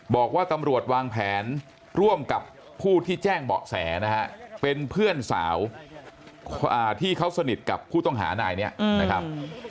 บอกว่าตำรวจวางแผนร่วมกับผู้ที่แจ้งเบาะแสนะฮะเป็นเพื่อนสาวที่เขาสนิทกับผู้ต้องหานายนี้นะครับ